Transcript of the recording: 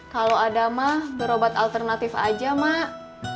kalau ada mah berobat alternatif aja mak